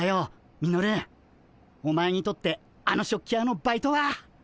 ミノルお前にとってあの食器屋のバイトは。